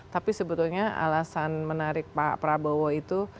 tapi sebetulnya alasan menarik pak prabowo itu